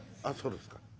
「あっそうですか」。